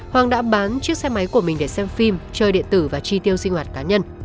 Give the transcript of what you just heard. hoàng đã bán chiếc xe máy của mình để xem phim chơi điện tử và chi tiêu sinh hoạt cá nhân